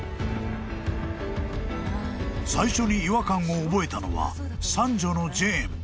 ［最初に違和感を覚えたのは三女のジェーン］